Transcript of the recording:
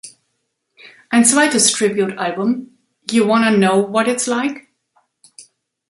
Ein zweites Tribute Album "You Wanna Know What It’s Like?